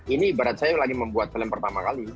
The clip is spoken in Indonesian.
ini ibarat saya lagi membuat film pertama kali